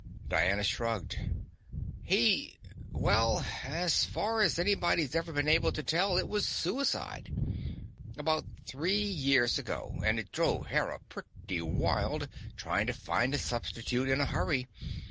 Diana shrugged. "He well, as far as anybody's ever been able to tell, it was suicide. About three years ago, and it drove Hera pretty wild, trying to find a substitute in a hurry.